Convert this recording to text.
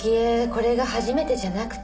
これが初めてじゃなくて